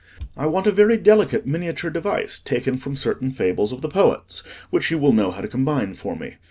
"I want a very delicate miniature device taken from certain fables of the poets, which you will know how to combine for me.